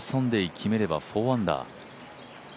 決めれば４アンダー。